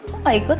kok gak ikut